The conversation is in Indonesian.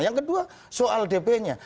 yang kedua soal dp nya